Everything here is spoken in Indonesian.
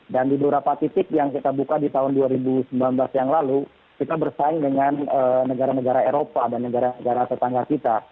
dan di beberapa titik yang kita buka di tahun dua ribu sembilan belas yang lalu kita bersaing dengan negara negara eropa dan negara negara tetangga kita